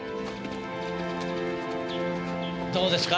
どうですか？